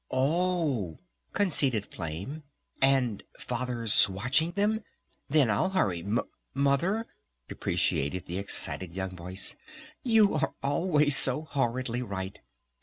"O h," conceded Flame. "And Father's watching them? Then I'll hurry! M Mother?" deprecated the excited young voice. "You are always so horridly right!